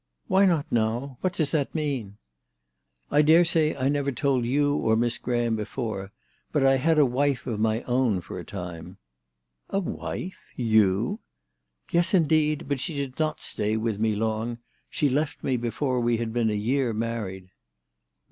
" Why not now ? What does that mean ?"" I dare say I never told you or Miss Graham before. But I had a wife of my own for a time." "A wife! You!" "Yes indeed. But she did not stay with me long. She left me before we had been a year married."